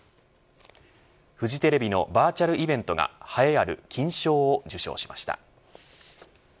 フジテレビのバーチャルイベントが栄えある金賞を受賞しました。